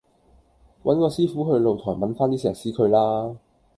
搵個師傅去露台忟番啲石屎佢啦